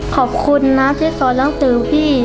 ขอบคุณนะที่สอนหนังสือพี่